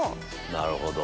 なるほど。